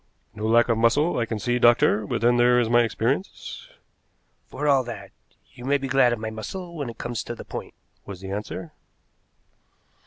"No lack of muscle, I can see, doctor, but then there is my experience." "For all that, you may be glad of my muscle when it comes to the point," was the answer.